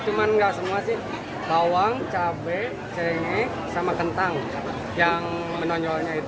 cuman enggak semua sih bawang cabai cengek sama kentang yang menonjolnya itu